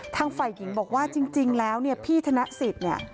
ทางฝ่ายหญิงบอกว่าจริงแล้วพี่ธนสิทธิ์